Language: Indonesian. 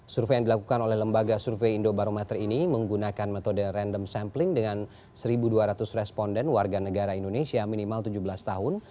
survei yang dilakukan oleh lembaga survei indobarometer ini menggunakan metode random sampling dengan satu dua ratus responden warga negara indonesia minimal tujuh belas tahun